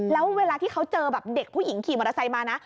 แล้วเวลาที่เขาเจอแบบเด็กผู้หญิงขี่มอเตอร์ไซค์มานะ